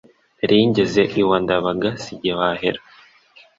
Nari ngeze iwa Ndabaga Si jye wahera